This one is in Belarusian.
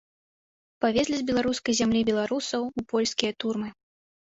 Павезлі з беларускай зямлі беларусаў у польскія турмы.